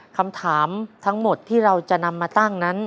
คำถามทั้งหมดที่เราจะนำมาตั้งนั้น